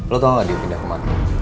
lo tau gak dia pindah ke makro